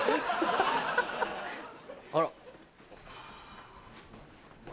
あら。